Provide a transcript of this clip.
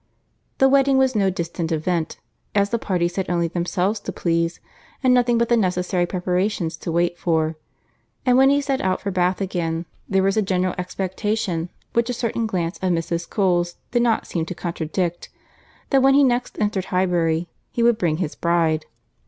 The wedding was no distant event, as the parties had only themselves to please, and nothing but the necessary preparations to wait for; and when he set out for Bath again, there was a general expectation, which a certain glance of Mrs. Cole's did not seem to contradict, that when he next entered Highbury he would bring his bride.